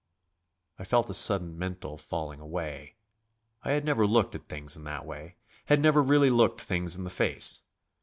I felt a sudden mental falling away. I had never looked at things in that way, had never really looked things in the face.